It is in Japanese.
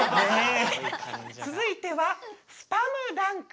続いてはスパムダンク。